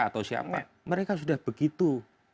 atau siapa mereka sudah begitu